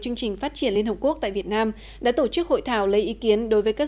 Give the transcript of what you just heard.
chương trình phát triển liên hợp quốc tại việt nam đã tổ chức hội thảo lấy ý kiến đối với các